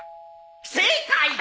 正解！